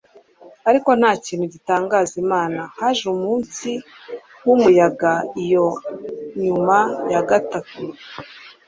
ariko nta kintu gitangaza imana. haje umunsi wumuyaga iyo nyuma ya gatanu